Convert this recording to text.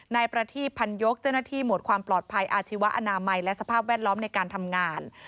นายประทีบพันยกเจ้าหน้าที่หมวดความปลอดภัยอาชีวะอนามัยและสภาพแวดล้อมในการทำงาน